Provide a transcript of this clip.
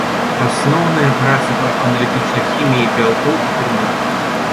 Асноўныя працы па аналітычнай хіміі бялкоў і ферментаў.